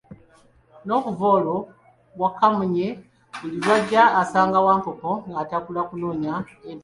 N'okuva olwo Wakamunye buli lw'ajja, asanga Wankoko atakula okunoonya empiso.